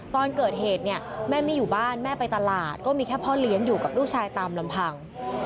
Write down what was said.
ตอนเกิดเหตุเนี่ยแม่ไม่อยู่บ้านแม่ไปตลาดก็มีแค่พ่อเลี้ยงอยู่กับลูกชายตามลำพัง